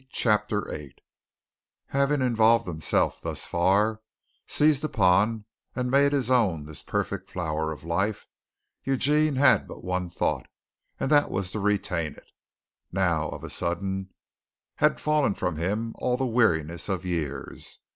CHAPTER VIII Having involved himself thus far, seized upon and made his own this perfect flower of life, Eugene had but one thought, and that was to retain it. Now, of a sudden, had fallen from him all the weariness of years.